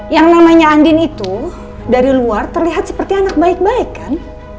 yang namanya andin itu dari luar terlihat seperti anak baik baik kan